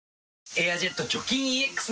「エアジェット除菌ＥＸ」